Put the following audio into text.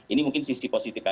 ini mungkin sisi positifnya